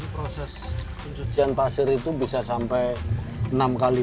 proses pencucian pasir itu bisa sampai enam kali